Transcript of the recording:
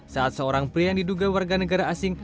saat seorang pria yang diduga warga negara asing